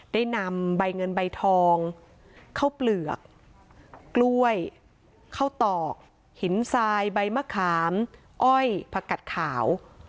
ได้นำใบเงินใบทองข้าวเปลือกกล้วยข้าวตอกหินทรายใบมะขามอ้อยผักกัดขาว